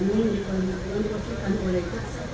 menggunakan screen test